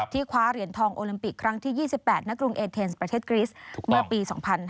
คว้าเหรียญทองโอลิมปิกครั้งที่๒๘ณกรุงเอเทนส์ประเทศกริสเมื่อปี๒๕๕๙